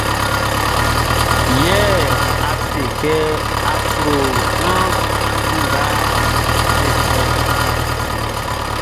Yɛ a seman kɛ a klo sran nga be fɛʼn.